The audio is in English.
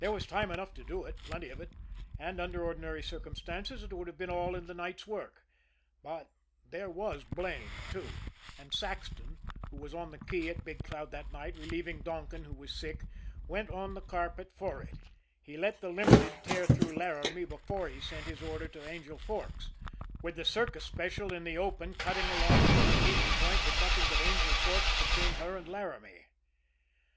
There was time enough to do it, plenty of it and under ordinary circumstances it would have been all in the night's work. But there was blame, too, and Saxton, who was on the key at Big Cloud that night, relieving Donkin, who was sick, went on the carpet for it he let the Limited tear through L'Aramie before he sent his order to Angel Forks, with the Circus Special in the open cutting along for her meeting point with nothing but Angel Forks between her and L'Aramie.